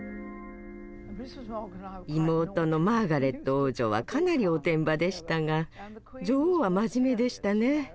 妹のマーガレット王女はかなりおてんばでしたが女王は真面目でしたね。